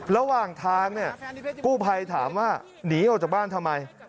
ระหว่างทางเนี่ยกู้ภัยถามว่าหนีออกจากบ้านทำไม